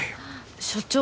所長